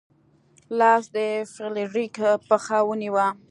لاس د فلیریک پښه ونیوه.